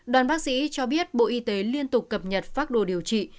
đoàn bác sĩ cho biết bộ y tế liên tục cập nhật pháp đồ điều trị